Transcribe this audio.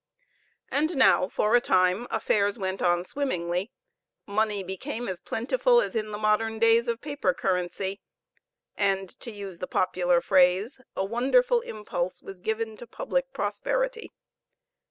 And now for a time affairs went on swimmingly; money became as plentiful as in the modern days of paper currency, and, to use the popular phrase, "a wonderful impulse was given to public prosperity."